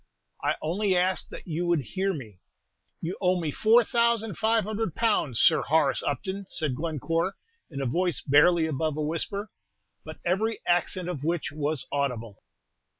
_" "I only ask that you would hear me." "You owe me four thousand five hundred pounds, Sir Horace Upton," said Glencore, in a voice barely above a whisper, but every accent of which was audible.